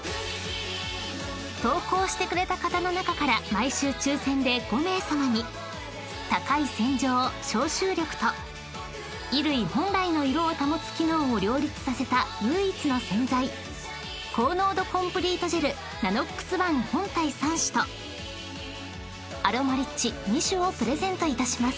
［投稿してくれた方の中から毎週抽選で５名さまに高い洗浄消臭力と衣類本来の色を保つ機能を両立させた唯一の洗剤高濃度コンプリートジェルＮＡＮＯＸｏｎｅ本体３種とアロマリッチ２種をプレゼントいたします］